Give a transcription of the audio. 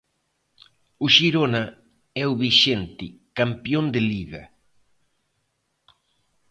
O Xirona é o vixente campión de Liga.